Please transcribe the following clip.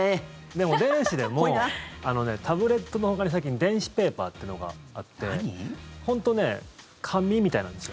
でも電子でもタブレットのほかに、最近電子ペーパーっていうのがあって本当ね、紙みたいなんですよ。